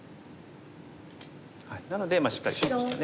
なのでしっかりトビましたね。